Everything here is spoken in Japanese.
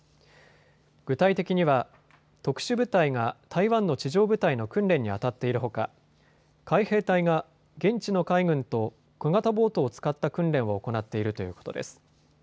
具体的には特殊部隊が台湾の地上部隊の訓練にあたっているほか海兵隊が現地の海軍と小型ボートを使った訓練を行っているということです。